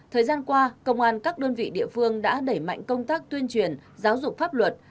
thời gian qua công an các đơn vị địa phương đã đẩy mạnh công tác tuyên truyền giáo dục pháp luật